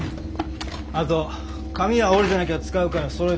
あと紙は折れてなきゃ使うからそろえとけ。